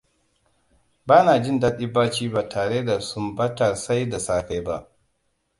Bana jin daɗin bacci ba tare da sumabatar sai da safe ba.